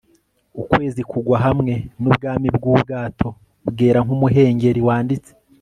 ukwezi kugwa hamwe nubwami bwubwato, bwera nkumuhengeri-wanditse